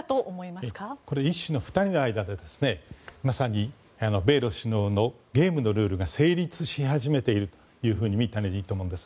一種の２人の間でまさに米ロ首脳会談のゲームのルールが成立し始めているというふうに見たらいいと思うんです。